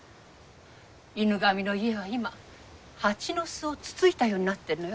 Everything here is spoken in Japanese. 犬神の家は今蜂の巣をつついたようになってるのよ。